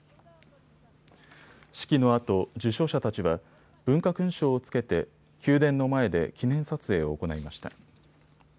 式のあと受章者たちは文化勲章をつけて宮殿の前で記念撮影を行いました。